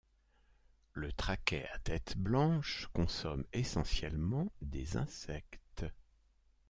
Le Traquet à tête blanche consomme essentiellement des insectes.